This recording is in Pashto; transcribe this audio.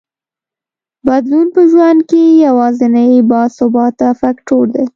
بدلون په ژوند کې یوازینی باثباته فکټور دی.